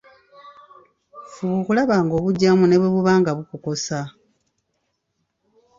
Fuba okulaba ng’obugyamu ne bwe buba nga bukukosa.